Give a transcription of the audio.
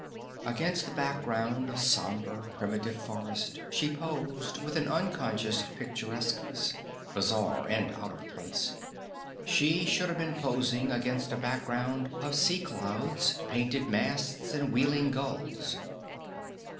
Against the background of somber, primitive forest she posed with an unconscious picturesqueness, bizarre and out of place. She should have been posed against a background of sea clouds, painted masts and wheeling gulls.